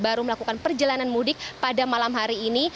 baru melakukan perjalanan mudik pada malam hari ini